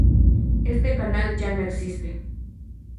Este canal ya no existe.